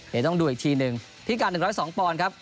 เดี๋ยวต้องดูอีกทีหนึ่งพิการ๑๐๒ปอนด์ครับ